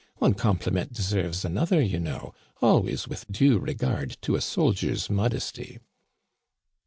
One compliment deserves another you know, always with due regard to a soldier's modesty."